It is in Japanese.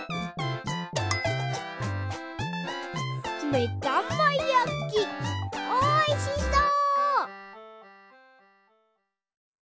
めだまやきおいしそう！